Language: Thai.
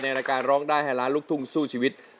รายการร้องได้ให้ล้านลูกทุ่งสู้ชีวิต